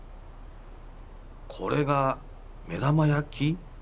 これが目玉焼き？